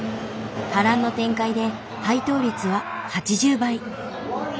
波乱の展開で配当率は８０倍。